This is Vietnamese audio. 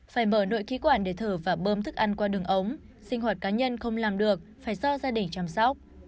phải mở nội khí quản để thở và bơm thức ăn qua đường ống sinh hoạt cá nhân không làm được phải do gia đình chăm sóc